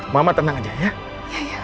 mama tenang aja ya